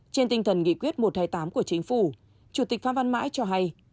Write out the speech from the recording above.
trên tinh thần nghị quyết một tám của chính phủ chủ tịch phan văn mãi cho hay